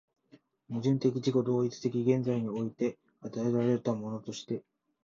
矛盾的自己同一的現在の世界において与えられたものとして、